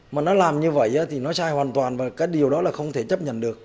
mà nó làm như vậy thì nó sai hoàn toàn và cái điều đó là không thể chấp nhận được